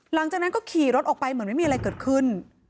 หลังจากนั้นก็ขี่รถออกไปเหมือนไม่มีอะไรเกิดขึ้น